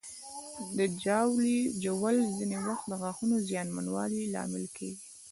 د ژاولې ژوول ځینې وخت د غاښونو زیانمنوالي لامل کېږي.